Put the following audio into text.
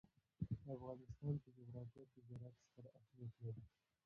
د افغانستان په جغرافیه کې زراعت ستر اهمیت لري.